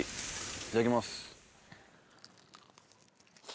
いただきます。